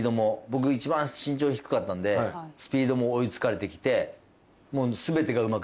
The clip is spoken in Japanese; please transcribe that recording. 僕一番身長低かったんでスピードも追い付かれてきてもう。